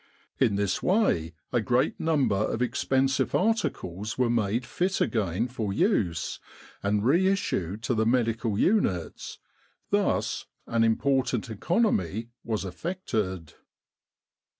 In this way a great number of expensive articles were made fit again for use, and re issued to the medical units; thus an important economy was effected.